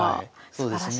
そうですね。